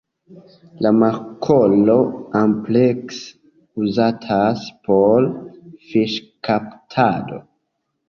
La markolo amplekse uzatas por fiŝkaptado.